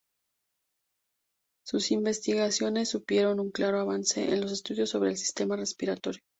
Sus investigaciones supusieron un claro avance en los estudios sobre el sistema respiratorio.